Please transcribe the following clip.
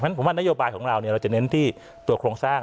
เพราะฉะนั้นผมว่านโยบายของเราจะเน้นที่ตัวโครงสร้าง